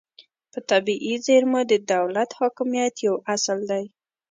په طبیعي زیرمو د دولت حاکمیت یو اصل دی